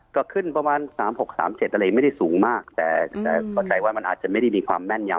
ก็ขึ้นประมาณ๓๖๓๗อะไรไม่ได้สูงมากแต่เข้าใจว่ามันอาจจะไม่ได้มีความแม่นยำ